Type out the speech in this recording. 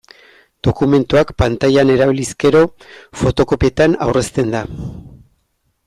Dokumentuak pantailan erabiliz gero, fotokopietan aurrezten da.